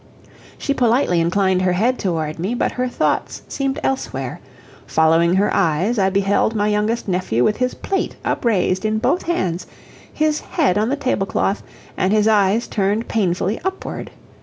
She politely inclined her head toward me, but her thoughts seemed elsewhere; following her eyes, I beheld my youngest nephew with his plate upraised in both hands, his head on the table cloth, and his eyes turned painfully upward.